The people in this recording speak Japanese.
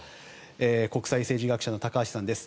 国際政治学者の高橋さんです。